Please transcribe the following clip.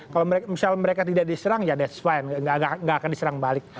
kalau misalnya mereka tidak diserang ya that's fine gak akan diserang balik